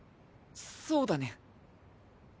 そうだね。